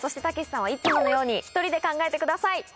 たけしさんはいつものように１人で考えてください